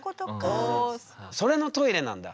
それの「トイレ」なんだ。